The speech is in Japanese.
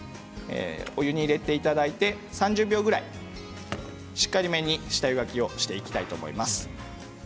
お湯に入れていただいて３０秒くらい、しっかりめに下ゆがきしていきたいと思います。